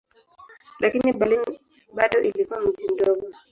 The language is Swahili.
Lakini Berlin bado ilikuwa mji mmoja.